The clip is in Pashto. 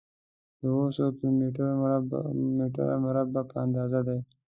د اووه سوه کيلو متره مربع په اندازه دی.